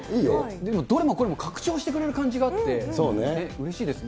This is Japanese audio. でもどれもこれも拡張してくれる感じがあって、うれしいですね。